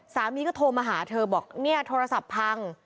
สามีก็โทรมาหาเธอบอกเนี่ยโทรศัพท์พัง